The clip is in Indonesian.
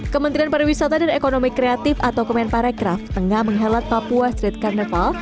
kementerian pariwisata dan ekonomi kreatif atau kemen paracraft tengah menghelat papua street carnival